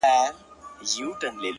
o د ژوند په څو لارو كي ـ